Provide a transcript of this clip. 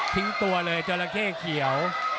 ทิ้งตัวเลยจราเก่เขียว